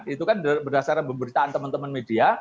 itu kan berdasarkan pemberitaan teman teman media